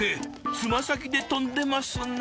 つま先でとんでますね。